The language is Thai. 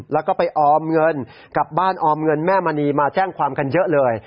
แล้วก็ไปออมเงินกับบ้านออมเงินแม่มณีมาแจ้งความกันเยอะเลย